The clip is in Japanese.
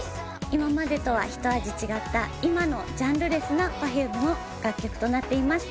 今までとは一味違った今のジャンルレスなＰｅｒｆｕｍｅの楽曲となっています